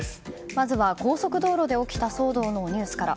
まずは、高速道路で起きた騒動のニュースから。